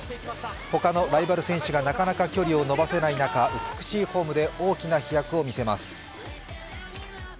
ほかのライバル選手がなかなか距離を伸ばせない中美しいフォームで大きな飛躍を見せます。